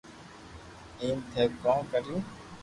ايم ٿي ڪون ڪريو